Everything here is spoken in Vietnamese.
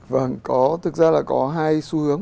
vâng có thực ra là có hai xu hướng